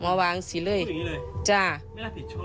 แม่จะมาเรียกร้องอะไร